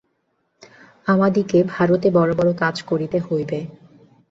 আমাদিগকে ভারতে বড় বড় কাজ করিতে হইবে।